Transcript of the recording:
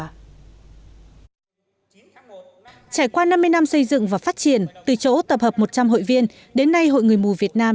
trải qua năm mươi năm xây dựng và phát triển từ chỗ tập hợp một trăm linh hội viên đến nay hội người mù việt nam